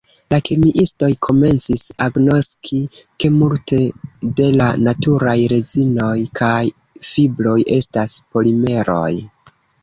La kemiistoj komencis agnoski, ke multe de la naturaj rezinoj kaj fibroj estas polimeroj.